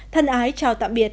thân ái chào tạm biệt